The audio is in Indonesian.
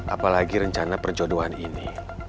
apalagi rencana perjodohan ini